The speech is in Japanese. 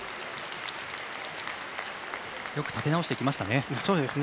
よく立て直してきましたね。